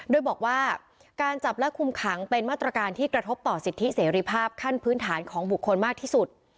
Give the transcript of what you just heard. โดยบอกว่าการจับและคุมขังเป็นมาตรการที่กระทบต่อสิทธิเสรีภาพขั้นพื้นฐานของบุคคลมากที่สุด